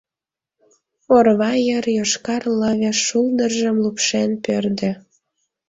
Орва йыр йошкар лыве шулдыржым лупшен пӧрдӧ.